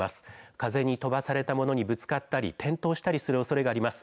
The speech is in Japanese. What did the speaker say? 風に飛ばされたものにぶつかったり、転倒したりするおそれがあります。